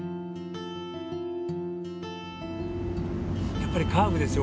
やっぱりカーブですよ